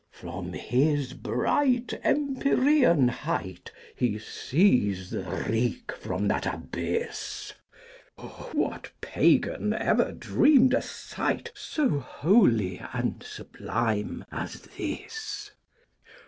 From his bright Empyrean height He sees the reek from that abyss What Pagan ever dreamed a sight So holy and sublime as this!